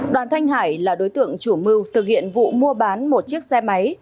đoàn thanh hải là đối tượng chủ mưu thực hiện vụ mua bán một chiếc xe máy